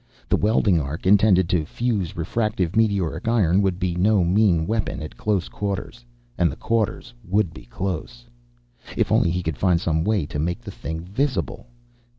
The welding arc, intended to fuse refractive meteoric iron, would be no mean weapon, at close quarters. And the quarters would be close. If only he could find some way to make the thing visible!